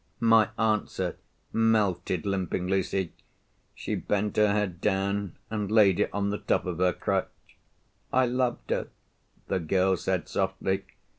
My answer melted Limping Lucy. She bent her head down, and laid it on the top of her crutch. "I loved her," the girl said softly.